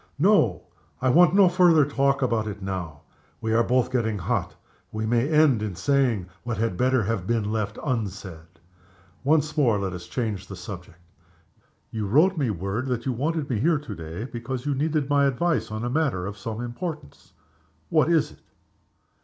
No! I want no farther talk about it now. We are both getting hot we may end in saying what had better have been left unsaid. Once more, let us change the subject. You wrote me word that you wanted me here to day, because you needed my advice on a matter of some importance. What is it?"